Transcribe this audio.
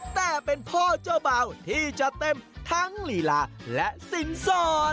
แต่เป็นพ่อเจ้าเบาที่จะเต็มทั้งลีลาและสินสอด